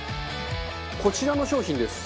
こちらの商品です。